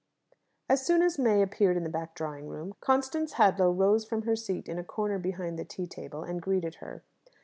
As soon as May appeared in the back drawing room, Constance Hadlow rose from her seat in a corner behind the tea table, and greeted her.